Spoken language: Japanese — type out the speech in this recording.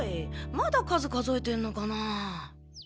まだ数数えてんのかなあ。